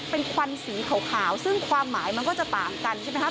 เป็นควันสีขาวซึ่งความหมายมันก็จะต่างกันใช่ไหมครับ